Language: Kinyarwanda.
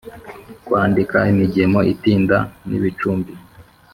kwandika imigemo itinda nibicumbi